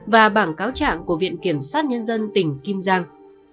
và bảng cáo trạng của viện kiểm soát nhân dân tỉnh kim giang